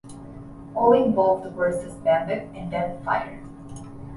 All involved were suspended and then fired.